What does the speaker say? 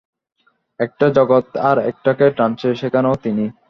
একটা জগৎ আর একটাকে টানছে, সেখানেও তিনি।